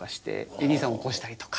ＡＤさんを起こしたりとか。